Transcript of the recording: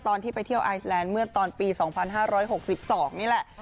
ตอนที่ไปเที่ยวไอแลนด์เมื่อตอนปี๒๕๖๒นี่แหละ